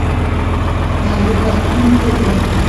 منظور پښتين څوک دی؟